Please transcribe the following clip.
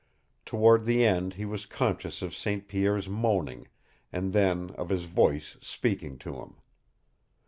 Toward the end he was conscious of St. Pierre's moaning, and then of his voice speaking to him.